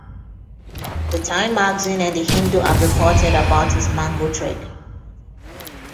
The Time Magazine and The Hindu have reported about his Mango trick.